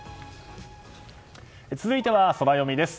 続いてはソラよみです。